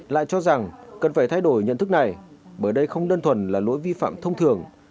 lại cho rằng cần phải thay đổi nhận thức này bởi đây không đơn thuần là lỗi vi phạm thông thường